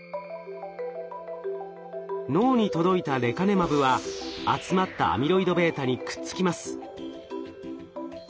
脳に届いたレカネマブは集まったアミロイドβにくっつきます。